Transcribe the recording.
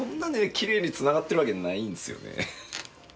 きれいにつながってるわけないんすよね